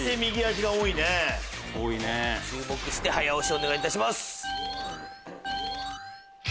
注目して早押しお願いします！